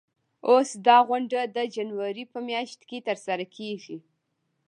اوس دا غونډه د جنوري په میاشت کې ترسره کیږي.